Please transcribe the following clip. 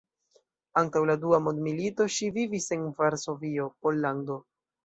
Antaŭ la Dua mondmilito ŝi vivis en Varsovio, Pollando.